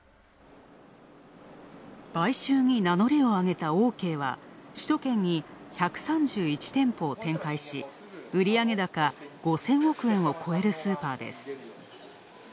買収に名乗りを上げたオーケーは首都圏に１３１店舗を展開し、売上高５０００億円を超えるスーパーです。